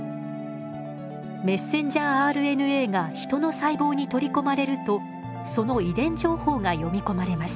ｍＲＮＡがヒトの細胞に取り込まれるとその遺伝情報が読み込まれます。